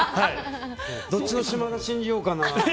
どっちの島田信じようかな。